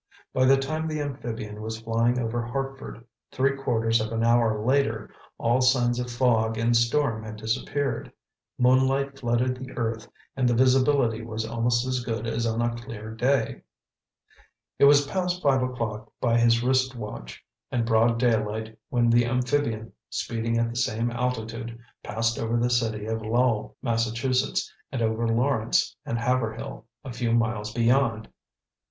By the time the amphibian was flying over Hartford, three quarters of an hour later, all signs of fog and storm had disappeared. Moonlight flooded the earth and the visibility was almost as good as on a clear day. It was past five o'clock by his wristwatch and broad daylight when the amphibian, speeding at the same altitude, passed over the city of Lowell, Massachusetts, and over Lawrence and Haverhill, a few miles beyond.